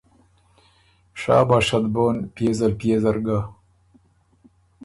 شاباشت بون پيې زلپيې زر ګۀ۔